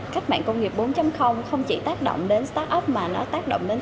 cách mạng công nghiệp bốn không chỉ tác động đến start up mà nó tác động đến